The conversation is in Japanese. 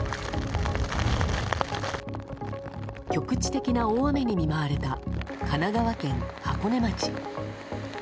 局地的な大雨に見舞われた神奈川県箱根町。